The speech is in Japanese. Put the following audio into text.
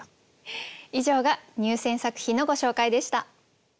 以上が入選作品のご紹介でした。